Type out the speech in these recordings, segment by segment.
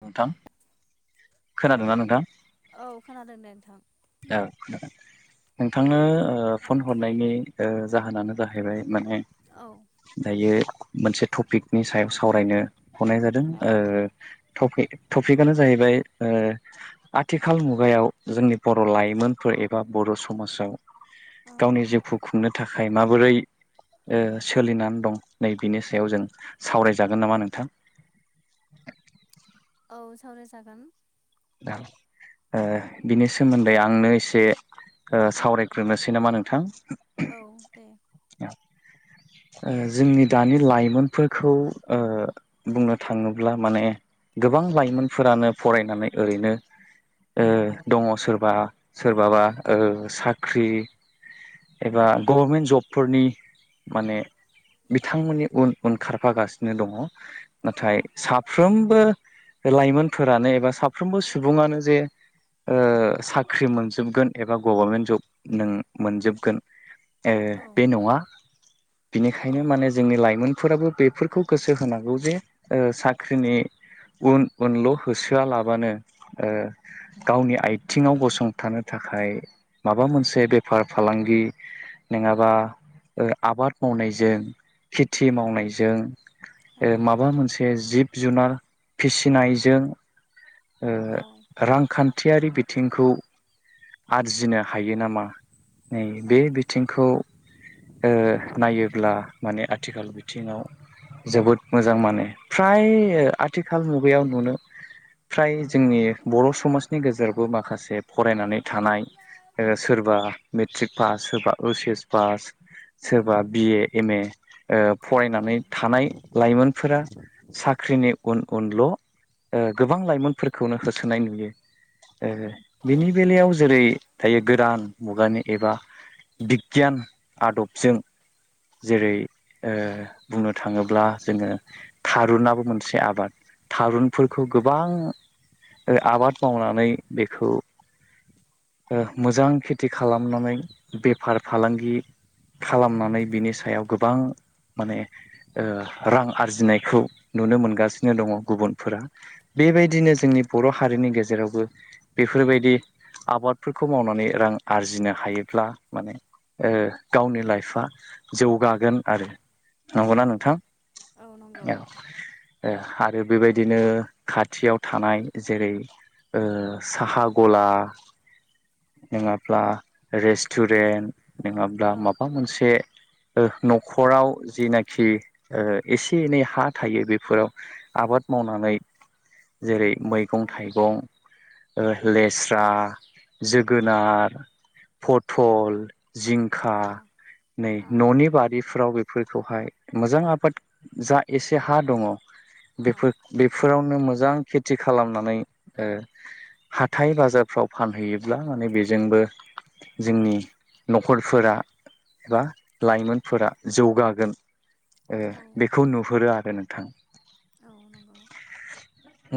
नोंथां खोनादोंना नोंथां? औ खोनादों दे नोंथां। औ खोनादों। नोंथांनो फन हरनायनि ओ जाहोनानो जाहैबाय माने औ दायो मोनसे टपिकनि सायावसो सावरायनो हरनाय जादों औ ओ टफिक टपिकआनो जाहैबाय ओ आथिखाल मुगायाव जोंनि बर' लाइमोनफोर एबा बर समाजाव औ गावनि जिउखौ खुंनो थाखाय माबोरै ओ सोलिनानै दं नै बिनि सायाव जों सावरायजागोन नामा नोंथां? [inaudible] औ सावरायजागोन। दा ओ बिनि सोमोन्दै आंनो एसे सावरायग्रोनोसै नामा नोंथां। औ दे। [inaudible] ओ जोंनि दानि लाइमोनफोरखौ ओ बुंनो थांङोब्ला माने गोबां लाइमोनफोरानो फरायनानै ओरैनो ओ दंङ सोरबा सोरबाबा ओ साख्रि एबा गभारमेन्ट जबफोरनि माने बिथांमोननि उन उन खारफागासिनो दङ औ नाथाय साफ्रोमबो लाइमोनफोरानो एबा साफ्रोमबो सुबुङानो जे ओ साख्रि मोनजोबगोन एबा गभरमेन्ट जब नों मोनजोबगोन ए औ बे नङा औ बिनिखायनो माने जोंनि लाइमोन फोराबो बेफोरखौ गोसो होनांगौ जे ओ साख्रिनि उन उनल' होसोआ ला बानो ओ गावनि आथिङाव गसंथानो थाखाय माबा मोनसे बे बेफार फालांगि नोंङाबा आबाद मावनायजों खेथि मावनायजों औ ओ माबा मोनसे जिब जुनार फिसिनायजों ओ औ रांखान थियारि बिथिंखौ आरजिनो हायो नामा? नै बे बिथिंखौ ओ नायोब्ला माने आथिखाल बिथिङाव जोबोद मोजां माने फ्राय आथिखाल मुगायाव नुनो फ्राय जोंनि बर' समाजनि गेजेरावबो माखासे फरायनानै थानाय ओ सोरबा मेट्रिक पास सोरबा ओइस एस पास औ सोरबा बिए एम ए ओ फरायनानै थानाय लाइमोनफोरा साख्रिनि उन उनल' ओ गोबां लाइमोनफोरखौनो होसोनाय नुयो। ओ औ बिनि बेलायाव जेरै दायो गोदान मुगानि एबा बिगियान आदबजों जेरै ओ बुंनो थाङोब्ला जोङो थारुनाबो मोनसे आबाद। थारुनफोरखौ गोबां ओ आबाद मावनानै बेखौ ओ मोजां खेथि खालामनानै बेफार फालांगि खालामनानै बिनि सायाव गोबां माने ओ रां आरजिनायखौ नुनो मोनगासिनो दङ गुबुनफोरा। बेबायदिनो जोंनि बर' हारिनि गेजेरावबो बेफोरबायदि आबादफोरखौ मावनानै रां आरजिनो हायोब्ला माने ओ गावनि लाइफआ जौगागोन आरो औ नंगौना नोंथां औ। ओ आरो बेबायदिनो खाथियाव थानाय जेरै ओ साहा गला नोङाब्ला रेस्टुरेन्ट नोङाब्ला औ माबा मोनसे ओ न'खराव जिनाखि एसे एनै हा थायो बेफोराव आबाद मावनानै जेरै मैगं औ थाइगं ओ लेस्रा जोगोनार फथल जिंखा आ नै आ न'नि बारिफ्राव बे फोरखौ हाय मोजां आबाद जा एसे हा दङ औ बेफोर बेफोराव नो मोजां खेथि खालामनानै ओ हाथाय बाजारफ्राव फानहैयोब्ला माने बेजोंबो जोंनि न'खरफोरा एबा औ लाइमोनफोरा जौगागोन ओ औ बेखौ नुहुरो आरो नों थां औ नंगौ।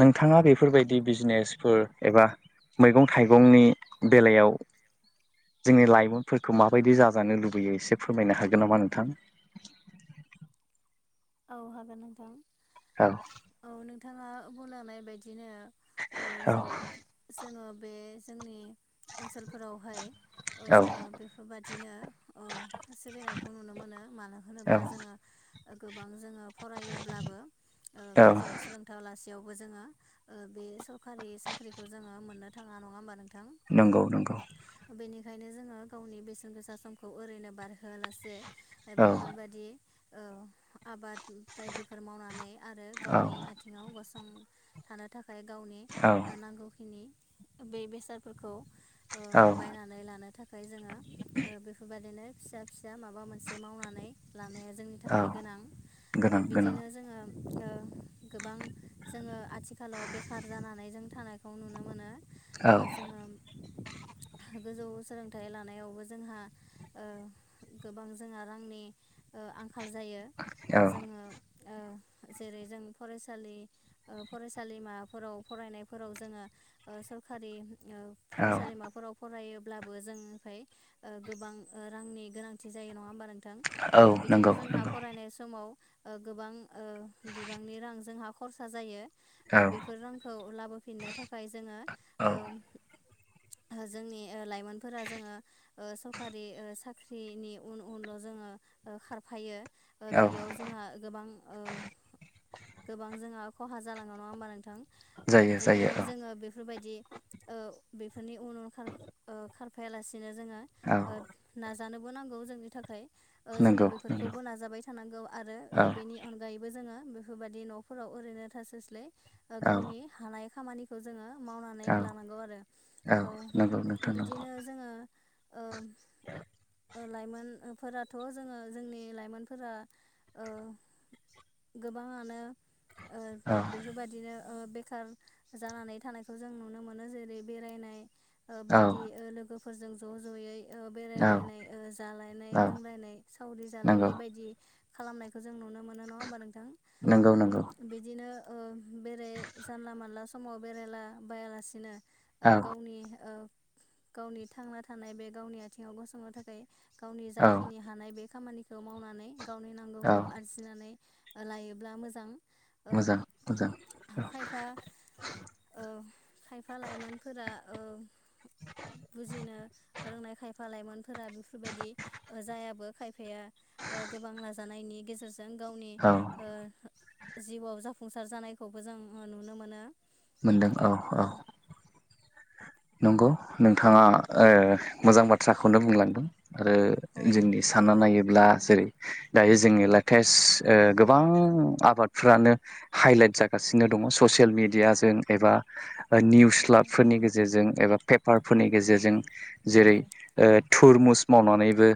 नोंथाङा बेफोरबायदि बिजनेसफोर एबा मैगं थाइगंनि बेलायाव जोंनि लाइमोनफोरखौ माबायदि जाजानो लुबैयो एसे फोरमायनो हागोन नामा नोंथां? [inaudible] औ हागोन नोंथां। औ औ नोंथाङा बुंलांनाय बादिनो ओ औ जों जोङो बे जोंनि ओनसोलफोरावहाय औ जोङो बेफोरबादिनो ओ सोलिनायखौ नुनो मोनो मानो औ होनोब्ला जोङो गोबां जोङो फरायोब्लाबो ओ औ गोजौ सोलोंथा लासि बेयावबो जोङो बे सरकारि साख्रिखौ जोङो मोननो थाङा नङा होमबा नोंथां? नंगौ नंगौ। बेनिखायनो जोङो गावनि बेसेन गोसा समखौ ओरैनो बारहोआलासे ओ औ बेफोरबादि ओ आबाद बायदिफोर मावनानै आरो औ गावनि आथिङाव गसंथानो थाखाय खाय गावनि औ ओ नांगौखिनि बे बेसादफोरखौ ओ औ बायनानै लानो थाखाय जोङो ओ बेफोरबायदिनो फिसा फिसा माबा मोनसे मावनानै लानाया जोंनि औ थाखाय गोनां औ गोनां गोनां बिदिनो जोङो ओ गोबां जोङो आथिखालाव बेखार जानानै जों थानायखौ नुनो मोनो‌। औ ओ जोङो [inaudible] गोजौ सोलोंथाइ लानायावबो जोंहा गोबां जोंहा रांनि ओ आंखाल जायो ओ औ जोङो ओ, [inaudible] जेरै जों फरायसालि ओ फरायसालिमाफोराव फरायनायफोराव जोङो ओ सर कारि ओ औ फरायसालिमाफोराव फारायो। ब्लाबो जोंनिफ्राय गोबां रांनि गोनांथि जायो नङा होमबा नोंथां ओ औ बि नंगौ दिनो जोंहा नंगौ फरायनाय समाव ओ गोबां ओ बिबांनि रां जोंहा खरसा जायो। ओ औ बेफोर रांखौ लाबोफिननो थाखाय जोङो औ ओ ओ जोंनि ओ लाइमोनफोरा जोङो ओ सरकारि ओ साख्रिनि उन उनल' जों जोङो ओ खार फायो ओ औ बेयाव जोंहा गोबां ओ गोबां जोंहा खहा जालाङो नङा होमबा नोंथां ओ जायो बिदिनो जायो औ जोङो बे फोरबायदि ओ बेफोरनि उन उन खार ओ खारफायायालासे नो जोङो औ ओ नाजानोबो नांगौ जोंनि थाखाय ओ जोङो नंगौ बेफोर नंगौ खौबो नाजाबाय थानांगौ आरो ओ औ बेनि अनगायैबो जोङो बेफोरबादि न'फोराव ओरैनो थास्लाय स्लाय ओ औ गावनि हानाय खामानिखौ जोङो मावनानै औ लानांगौ आरो औ ओ नंगौ नोंथां नंगौ बिदिनो जोङो ओ [inaudible] ओ लाइमोन ओफोराथ' जोङो जोंनि लाइमोनफोरा ओ गोबाङानो ओ औ बेफोरबादिनो ओ बेखार जानानै थानायखौ जों नुनो मोनो जेरै बेरायनाय ओ औ बायदि ओ लोगोफोरजों ज' ज'यै ओ औ बेरायलायनाय ओ जालायनाय औ लोंलायनाय सावरि नंगौ जालायनाय बायदि खालामनायखौ जों नुनो मोनो नङा होमबा नोंथां? नंगौ ओम नंगौ बिदिनो ओ बेराय जानला मानला समाव बेरायला बायालासिनो औ ओ गावनि ओ गावनि थांना थानाय बे गावनि आथिङाव गसंनो थाखाय गावनि औ औ जाखिनि हानाय बे खामानिखौ मावनानै गावनि नांगौखौ आरजिनानै लायोब्ला मोजां। ओ मोजां मोजां औ। औ खायफा लाइमोनफोरा ओ बुजिनो रोंनाय खायफा लाइमोन फोरा बेफोरबायदि जायाबो खायफाया गोबां नाजानायनि गेजेर जों गावनि औ ओ जिउआव जाफुंसार जानायखौबो जों नुनो मोनो। मोनदों औ औ नोंगौ। नों थाङा औ मोजां बाथ्राखौनो बुंलांदों। आरो औ जोंनि सानना नायो ब्ला जेरै दायो जोंङो लेटेस्ट गोबां आबादफ्रानो हाइलाइट जागासिनो दङ ससियेल मिडिया जों एबा निउस लाबफोरनि गेजेरजों एबा पेपारफोरनि गेजेरजों औ जेरै ओ थु रमुस मावनानैबो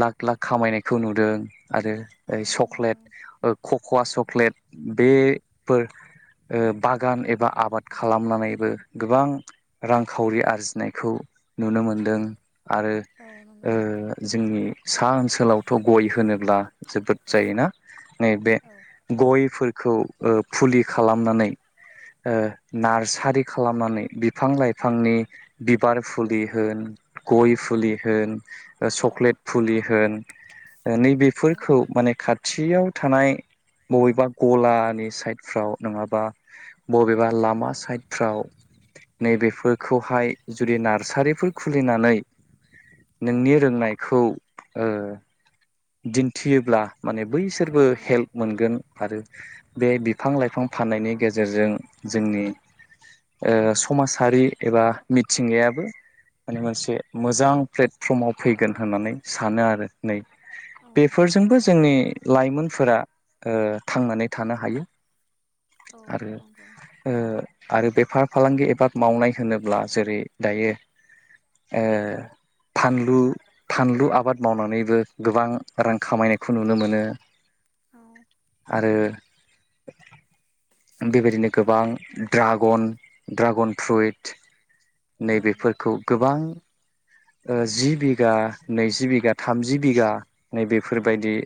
लाख लाख खामायनायखौ नुदों। आरो औ चक्लेट नंगौ ओ कख खवा चक्लेट बेफोर बाग गान एबा आबाद खालामनानैबो गोबां रांखावरि आरजिनायखौ नुनो मोन दों आरो औ नंगौ जोंनि सा ओनसोलावथ' गय होनोब्ला जोबोद जायोना। नैबे औ गयफोर खौ ओ फुलि खालामनानै ओ नार्सारि खालामनानै बिफां लाइफांनि बिबार फुलि हो न, गय फुलि होन, औ चक्लेट फुलि होन नैबेफोरखौ माने खा थियाव थानाय बबेबा गलानि साइडफ्राव नङाबा बबेबा लामा साइडफ्राव नैबेफोरखौहाय जुदि नार्सारिफोर खुलिनानै औ नोंनि रोंनायखौ ओ दिन्थियोब्ला माने बैसोरबो औ हेल्प मोनगोन। आरो बे बिफां लाइफां फाननायनि गेजेरजों जोंनि ओ समाजारि एबा मिथिंगायाबो माने मोनसे मोजां प्लेटफर्माव फैगोन होननानै सानो आरो। नै औ बेफोरजोंबो जों जोंनि लाइमोनफोरा थांनानै थानो हायो। औ आरो नंगौ आरो बे बेफार फालांगि एबा मावनाय होनोब्ला जेरै दायो ओ फानलु फानलु आबाद मावनानैबो गोबां रां खामायनायखौ नुनो मोनो। औ आरो बेबायदिनो गोबां ड्रागन ड्रागन फ्रुइट औ नैबेफोरखौ गोबां जि बिघा नैजि बिघा थामजि बिघा नैबेफोरबायदि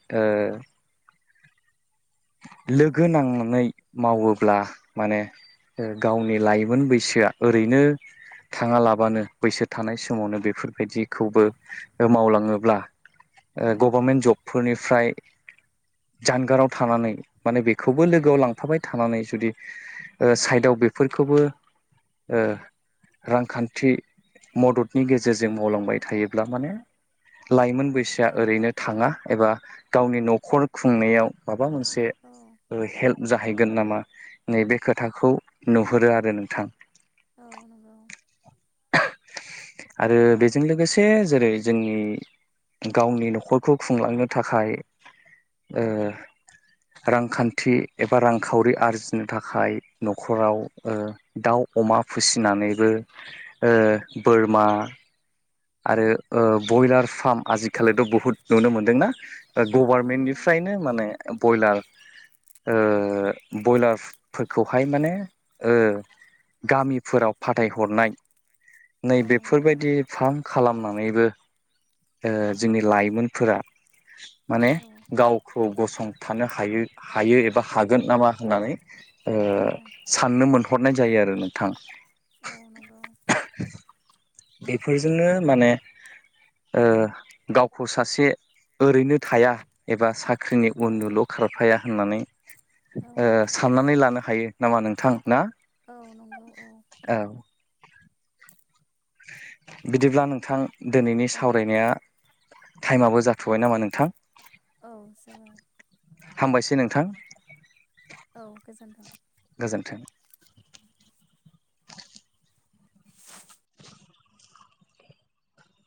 लोगो नांनानै मावोब्ला माने गावनि लाइमोन बैसोआ ओरैनो थाङालाबानो बैसो थानाय समावनो बेफोरबायदिखौबो मावलाङोब्ला गभारनमेन्ट जबफोरनि फ्राय जानगाराव थानानै माने बेखौबो लोगोआव लां फाबाय थानानै जुदि साइडआव बेफोरखौबो रांखान्थि मददनि गेजेरजों मावलांबाय थायोब्ला माने लाइमोन औ बैसोआ ओरैनो थाङा एबा गावनि न'खर खुंनायाव म माबा मोनसे ओ हेल्प। जाहैगोन नामा नैबे खोथाखौ नुहुरो आरो नोंथां। औ नंगौ। आरो बेजों लोगोसे जेरै जोंनि गावनि न'खरखौ खुंलांनो थाखाय ओ रांखान्थि एबा रांखावरि आरजिनो थाखाय न'खराव दाउ अमा फिसिनानैबो ओ बोरमा आरो ओ ब्रयलार फार्म आजिखालिथ' बुहुत नुनो मोनदोंना? औ नंगौ गभारनमेन्टनिफ्रायनो माने बयलार ओ बयलारफोरखौहाय माने ओ गामिफोराव फाथायहरनाय नै औ नंगौ बेफोरबायदि फार्म खालामना नैबो ओ जोंनि लाइमोनफोरा माने औ गावखौ गसंथानो हायो हायो एबा हागोन नामा होननानै ओ औ साननो मोन हरनाय जायो आरो नोंथां। औ नंगौ। बेफोरजोंनो माने ओ गावखौ सासे ओरैनो थाया एबा सा ख्रिनि औ उन उनल' खारफाया होननानै औ ओ साननानै लानो हायो नामा नोंथां ना? औ नंगौ औ। बिदिब्ला नोंथां दिनैनि औ सावरायनाया टाइमआबो जाथ'बाय नामा नोंथां? औ जाबाय। हामबायसै नोंथां। औ गोजोन्थों। गोजोन्थों